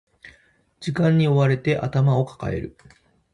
時間に追われて頭を抱える